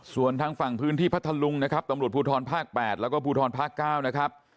ส่วนทางฝั่งพื้นที่พัทธลุงนะครับตำรวจภูทรภาค๘แล้วก็ภูทรภาค๙นะครับ